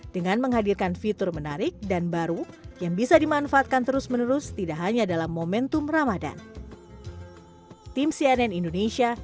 dengan menghadirkan fitur menarik dan baru yang bisa dimanfaatkan terus menerus tidak hanya dalam momentum ramadan